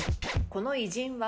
この偉人は？